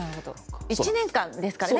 １年間ですからね。